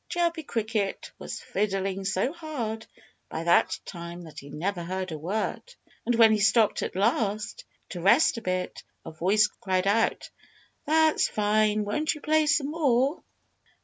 Chirpy Cricket was fiddling so hard by that time that he never heard a word. And when he stopped at last, to rest a bit, a voice cried out, "That's fine! Won't you play some more?"